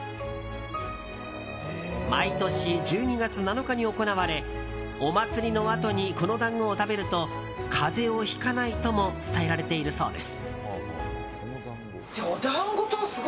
毎年１２月７日に行われお祭りのあとにこの団子を食べると風邪をひかないとも伝えられているそうです。